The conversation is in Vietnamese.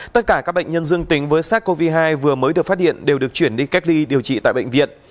tất cả các bệnh nhân dương tính với sars cov hai vừa mới được phát hiện đều được chuyển đi cách ly điều trị tại bệnh viện